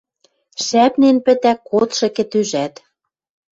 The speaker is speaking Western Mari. Шӓпнен пӹтӓ кодшы кӹтӧжӓт.